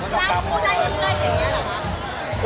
จ้างผู้ใจได้แบบนี้หรอครับ